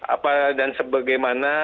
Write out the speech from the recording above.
apa dan sebagaimana